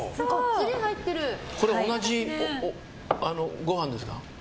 同じご飯ですか？